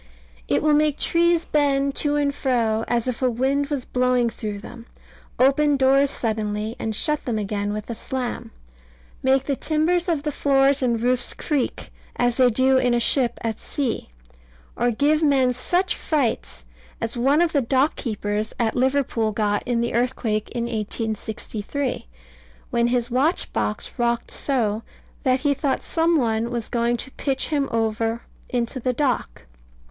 It will make trees bend to and fro, as if a wind was blowing through them; open doors suddenly, and shut them again with a slam; make the timbers of the floors and roofs creak, as they do in a ship at sea; or give men such frights as one of the dock keepers at Liverpool got in the earthquake in 1863, when his watchbox rocked so, that he thought some one was going to pitch him over into the dock.